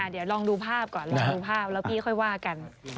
เดี๋ยวลองดูภาพก่อนลองดูภาพแล้วพี่ค่อยว่ากัน